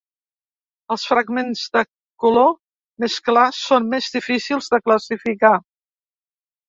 Els fragments de color més clar són més difícils de classificar.